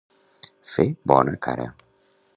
Fer bona cara.